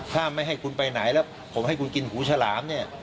ถ้าไม่ให้คุณไปไหนแล้วผมให้คุณกินหูฉลามเนี่ย